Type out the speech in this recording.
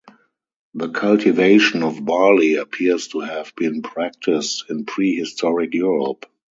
The cultivation of barley appears to have been practiced in prehistoric Europe.